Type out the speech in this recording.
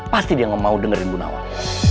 pasti dia gak mau dengerin bu nawang